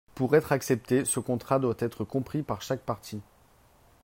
Pour être accepté, ce contrat doit être compris par chaque partie.